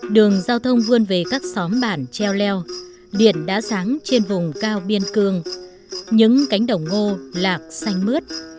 đường giao thông vươn về các xóm bản treo leo điện đá sáng trên vùng cao biên cương những cánh đồng ngô lạc xanh mướt